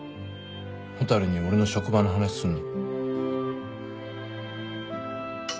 蛍に俺の職場の話すんの。